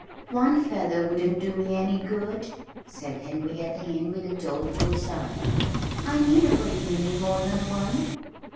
"One feather wouldn't do me any good," said Henrietta Hen with a doleful sigh. "I need a great many more than one."